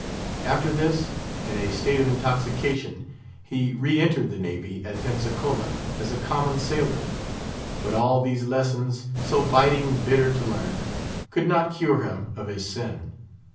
After this, in a state of intoxication, he re entered the Navy at Pensacola as a common sailor. But all these lessons, so biting bitter to learn, could not cure him of his sin.